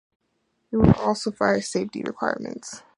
There were also fire-safety requirements.